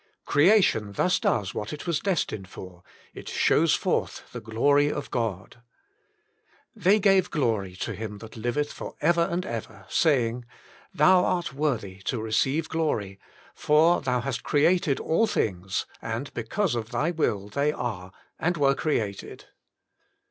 Creation thus does what it was destined for, it shows forth the glory of God. " They gave glory to Him that liveth for ever and ever, saying. Thou art worthy to receive glory, for Thou hast created all things, and because of Thy will they are, and were created.